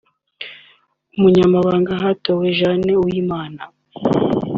Umunyamabanga hatowe Jane Uwimana